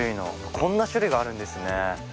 こんな種類があるんですね。